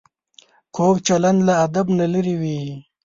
کوږ چلند له ادب نه لرې وي